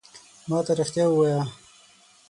ما ته رېښتیا ووایه !